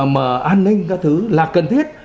mà an ninh các thứ là cần thiết